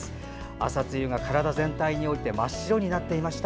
朝露が体全体に降りて真っ白になっていました。